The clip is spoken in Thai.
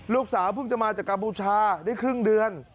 ลูกสาวเพิ่งจะมาจากกัมพูชาได้ครึ่งเดือน